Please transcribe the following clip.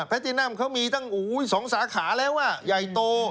ตินัมเขามีตั้ง๒สาขาแล้วใหญ่โต